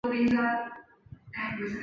罗马统治时期塞浦路斯经济十分繁荣。